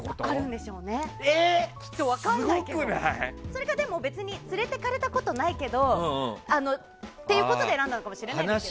それか連れていかれたことはないけどということで選んだかもしれないですね。